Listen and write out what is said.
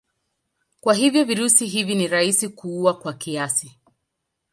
Kwa hivyo virusi hivi ni rahisi kuua kwa kiasi.